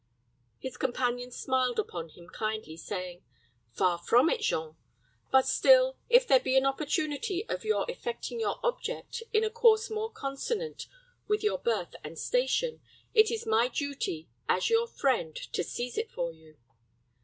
His companion smiled upon him kindly, saying, "Far from it, Jean; but still, if there be an opportunity of your effecting your object in a course more consonant with your birth and station, it is my duty as your friend to seize it for you.